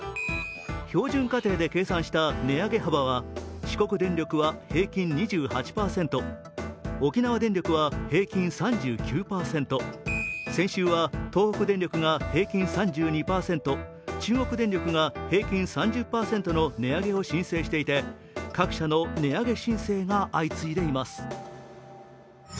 標準家庭で計算した値上げ幅は四国電力は平均２８％、沖縄電力は平均３９％、先週は東北電力が平均３２％、中国電力が平均３０％の値上げを申請していて各社の値上げ申請が相次いでいます。